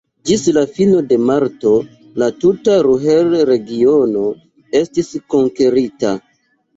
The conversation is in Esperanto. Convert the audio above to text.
Ĝis la fino de marto la tuta Ruhr-Regiono estis konkerita.